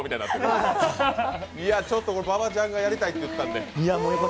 馬場ちゃんがこれ、やりたいって言ったんで。